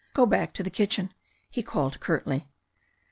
Go back to the kitchen," he called curtly.